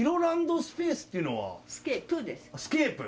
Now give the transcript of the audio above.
スケープ。